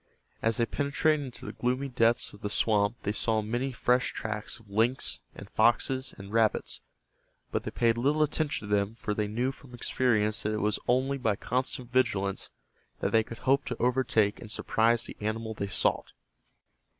As they penetrated into the gloomy depths of the swamp they saw many fresh tracks of lynx, and foxes and rabbits, but they paid little attention to them for they knew from experience that it was only by constant vigilance that they could hope to overtake and surprise the animal they sought.